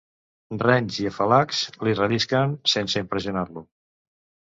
Renys i afalacs li rellisquen, sense impressionar-lo.